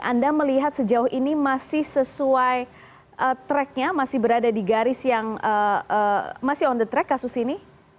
anda melihat sejauh ini masih sesuai tracknya masih berada di garis yang masih on the track kasus ini